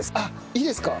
いいですか？